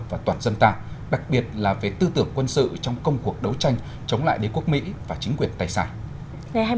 và toàn dân ta đặc biệt là về tư tưởng quân sự trong công cuộc đấu tranh chống lại đế quốc mỹ và chính quyền tài sản